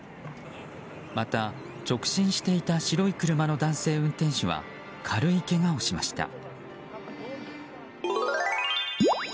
また、直進していた白い車の男性運転手は軽いけがをしました。